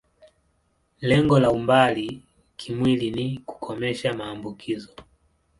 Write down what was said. Lengo la umbali kimwili ni kukomesha maambukizo.